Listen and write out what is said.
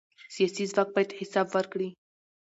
سیاسي ځواک باید حساب ورکړي